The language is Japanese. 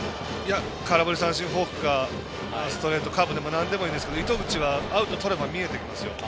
空振り三振、フォークかストレートでもカーブでもなんでもいいですけど糸口はアウトとれば見えてきます。